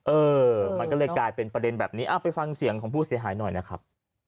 เออมันก็เลยกลายเป็นประเด็นแบบนี้ไปฟังเสียงของผู้เสียหายหน่อยนะครับ